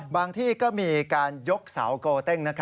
ที่ก็มีการยกเสาโกเต้ง